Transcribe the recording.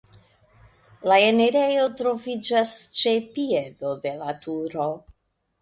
La enirejo troviĝas ĉe piedo de la turo.